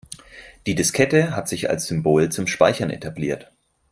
Die Diskette hat sich als Symbol zum Speichern etabliert.